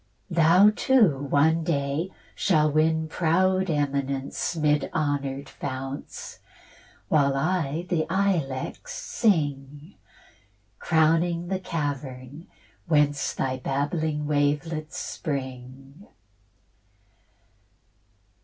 Thou too one day shalt win proud eminence 'Mid honour'd founts, while I the ilex sing Crowning the cavern, whence Thy babbling wavelets spring.